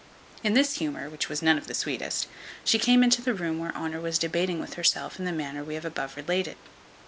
In this humour, which was none of the sweetest, she came into the room where Honour was debating with herself in the manner we have above related.